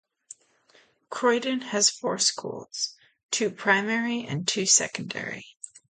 Croydon has four schools: two primary and two secondary.